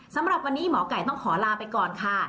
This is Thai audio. สำหรับวันนี้หมอไก่ต้องขอลาไปก่อนค่ะ